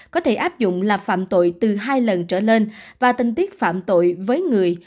có thể áp dụng là phạm tội từ hai lần trở lên và tình tiết phạm tội với người